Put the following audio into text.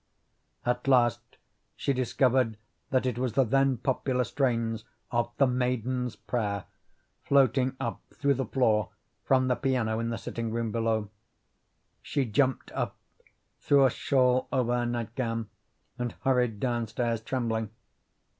At last she discovered that it was the then popular strains of "The Maiden's Prayer" floating up through the floor from the piano in the sitting room below. She jumped up, threw a shawl over her nightgown, and hurried downstairs trembling.